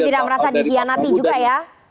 jadi tidak merasa dikhianati juga ya